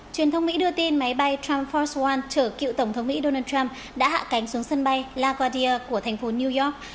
truyền thông mỹ đưa tin máy bay trump force one chở cựu tổng thống mỹ donald trump đã hạ cánh xuống sân bay laguardia của thành phố new york